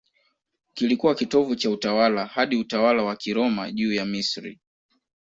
Kilikuwa kitovu cha utawala hadi utawala wa Kiroma juu ya Misri.